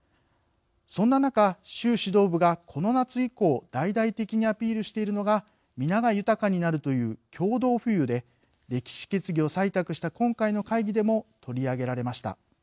そんな中習指導部がこの夏以降大々的にアピールしているのがみなが豊かになるという共同富裕で歴史決議を採択した今回の会議でも取り上げられました。